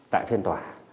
tại phiên tòa